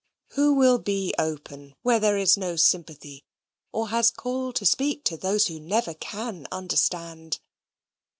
Who will be open where there is no sympathy, or has call to speak to those who never can understand?